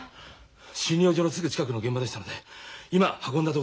診療所のすぐ近くの現場でしたので今運んだとこです。